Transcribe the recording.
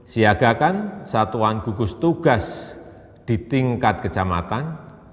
siagakan satuan gugus tugas di tingkat kecamatan